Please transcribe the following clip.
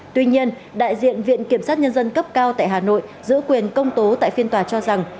tuy nhiên đại diện viện kiểm sát nhân dân cấp cao tại hà nội giữ quyền công tố tại phiên tòa cho rằng